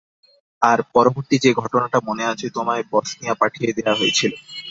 আর পরবর্তী যে ঘটনাটা মনে আছে, তোমায় বসনিয়া পাঠিয়ে দেয়া হয়েছিল।